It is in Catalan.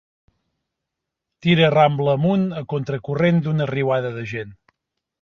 Tira Rambla amunt a contracorrent d'una riuada de gent.